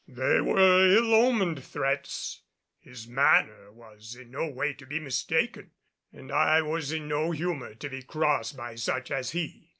They were ill omened threats. His manner was in no way to be mistaken and I was in no humor to be crossed by such as he.